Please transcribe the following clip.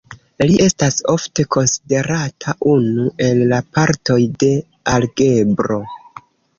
Li estas ofte konsiderata unu el la patroj de algebro.